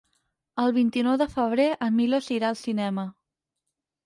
El vint-i-nou de febrer en Milos irà al cinema.